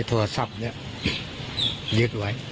โทรศัพท์เนี่ยยึดไว้